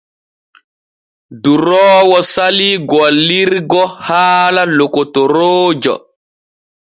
Duroowo salii gillirgo haala lokotoroojo.